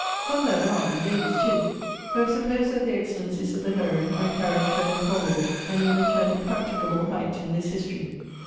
Some there are, and ladies too! who have supposed that the excellencies of the heroine are carried to an improbable, and even to an impracticable, height in this history.